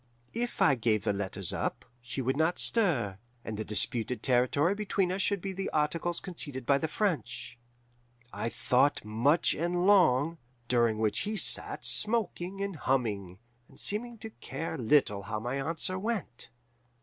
If I gave the letters up, she would not stir, and the disputed territory between us should be by articles conceded by the French. "I thought much and long, during which he sat smoking and humming, and seeming to care little how my answer went.